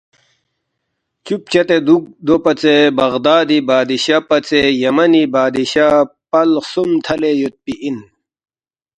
چُب چدے دُوک دوپژے بغدادی بادشاہ پژے یمنی بادشاہ پل خسُوم تھلے یودپی اِن